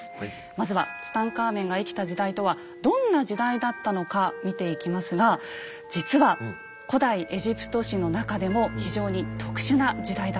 まずはツタンカーメンが生きた時代とはどんな時代だったのか見ていきますが実は古代エジプト史の中でも非常に特殊な時代だったんです。